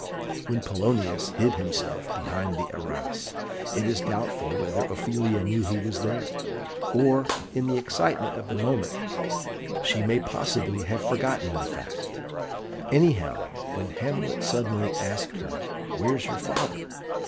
When Polonius hid himself behind the arras it is doubtful whether Ophelia knew he was there, or, in the excitement of the moment, she may possibly have forgotten the fact. Anyhow, when Hamlet suddenly asked her, "Where's your father?"